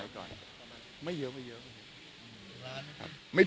ของขวัญรับปริญญา